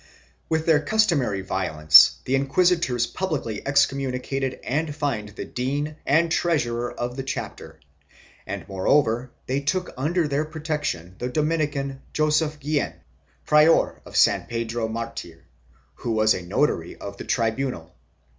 With their customary violence the inquisitors publicly excommunicated and fined the dean and treasurer of the chapter and moreover they took under their protection the Dominican Joseph Guillen, Prior of San Pedro Martir, who was a notary of the tribunal.